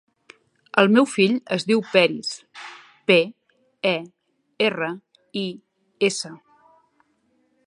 El meu fill es diu Peris: pe, e, erra, i, essa.